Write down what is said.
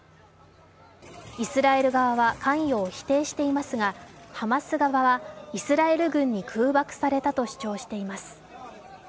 イスラエル側は関与を否定していますが、ハマス側はイスラエル軍に空爆されたと主張しています。